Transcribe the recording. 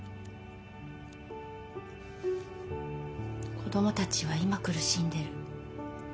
子供たちは今苦しんでる。